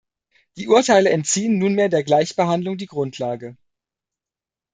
Die Urteile entziehen nunmehr der Gleichbehandlung die Grundlage.